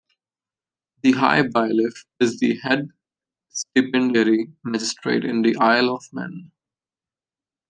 The High Bailiff is the head stipendiary magistrate in the Isle of Man.